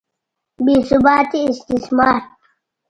بې ثباته استثمار.